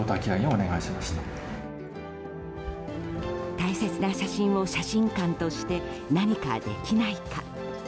大切な写真を写真館として何かできないか。